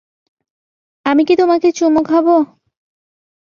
আমি কি তোমাকে চুমু খাবো?